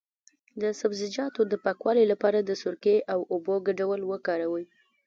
د سبزیجاتو د پاکوالي لپاره د سرکې او اوبو ګډول وکاروئ